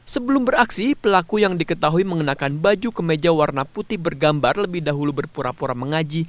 sebelum beraksi pelaku yang diketahui mengenakan baju kemeja warna putih bergambar lebih dahulu berpura pura mengaji